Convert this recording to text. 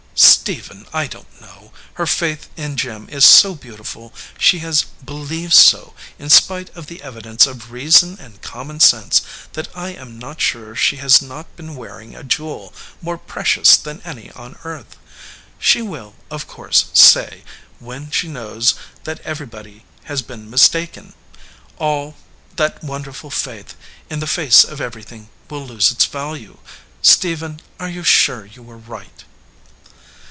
"Stephen, I don t know. Her faith in Jim is so beautiful. She has believed so, in spite of the evi dence of reason and common sense, that I am not sure she has not been wearing a jewel more pre cious than any on earth. She will, of course, say, when she knows, that everybody has been mis taken. All that wonderful faith, in the face of everything, will lose its value. Stephen, are you sure you were right?"